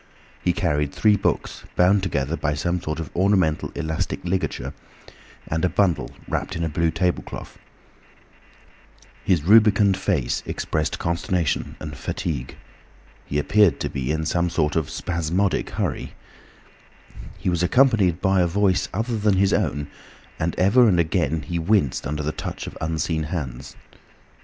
He carried three books bound together by some sort of ornamental elastic ligature, and a bundle wrapped in a blue table cloth. His rubicund face expressed consternation and fatigue; he appeared to be in a spasmodic sort of hurry. He was accompanied by a voice other than his own, and ever and again he winced under the touch of unseen hands.